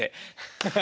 ハハハハ。